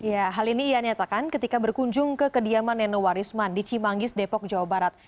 ya hal ini ia nyatakan ketika berkunjung ke kediaman nenowarisman di cimanggis depok jawa barat